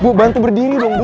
bu bantu berdiri dong bu